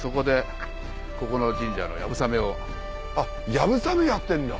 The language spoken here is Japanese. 流鏑馬やってるんだ。